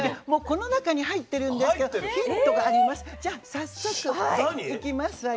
もうこの中に入ってるんですけどヒントがあります。